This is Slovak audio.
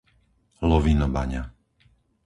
Lovinobaňa